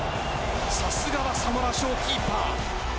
さすがは、サモラ賞キーパー。